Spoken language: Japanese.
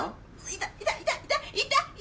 痛い痛い